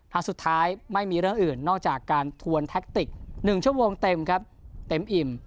สุดท้ายไม่มีเรื่องอื่นนอกจากการทวนแท็กติก๑ชั่วโมงเต็มครับเต็มอิ่ม